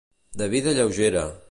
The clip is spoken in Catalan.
De vida lleugera.